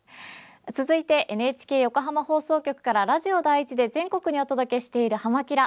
続いて、ＮＨＫ横浜放送局からラジオ第１で全国にお届けしている「はま☆キラ！」。